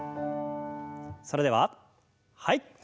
それでははい。